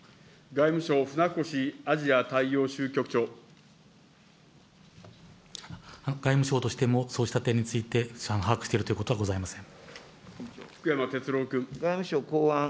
外務省、外務省としてもそうした点について、把握しているということはございません。